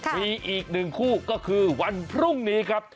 มีอีกหนึ่งคู่ก็คือวันพรุ่งนี้ครับ